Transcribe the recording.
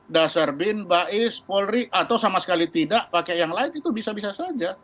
dasar bin bais polri atau sama sekali tidak pakai yang lain itu bisa bisa saja